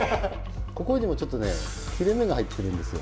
ここにもちょっとね切れ目が入ってるんですよ。